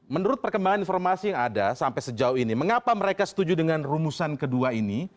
menurut perkembangan informasi yang ada sampai sejauh ini mengapa mereka setuju dengan rumusan kedua ini